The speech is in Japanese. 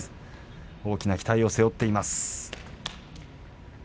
大きな期待を背負っています。